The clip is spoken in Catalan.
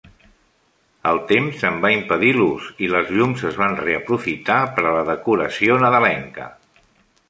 El temps en va impedir l'ús i les llums es van reaprofitar per a la decoració nadalenca.